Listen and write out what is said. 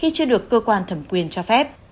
khi chưa được cơ quan thẩm quyền cho phép